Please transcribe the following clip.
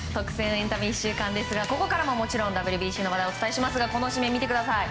エンタメ１週間ですがここからももちろんＷＢＣの話題をお伝えしますがこの紙面、見てください。